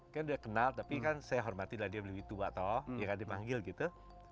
kan dia kenal tapi kan saya hormati lah dia lebih tua toh ya kan dia memanggil gitu